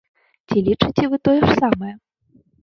Ці лічыце вы тое ж самае?